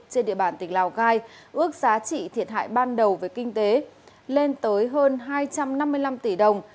trên địa bàn tỉnh lào cai ước giá trị thiệt hại ban đầu về kinh tế lên tới hơn hai trăm năm mươi năm tỷ đồng